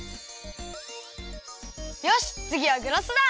よしつぎはグラスだ！